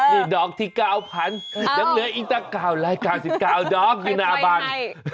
นี่ดอกที่๙๐๐ยังเหลืออีกตั้ง๙๙ดอกอยู่หน้าบ้าน